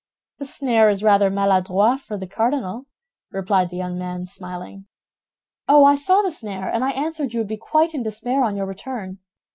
'" "The snare is rather maladroit for the cardinal," replied the young man, smiling. "Oh, I saw the snare, and I answered you would be quite in despair on your return.